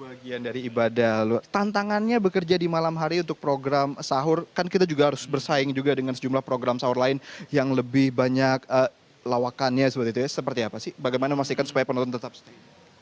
bagian dari ibadah luar tantangannya bekerja di malam hari untuk program sahur kan kita juga harus bersaing juga dengan sejumlah program sahur lain yang lebih banyak lawakannya seperti itu ya seperti apa sih bagaimana memastikan supaya penonton tetap stay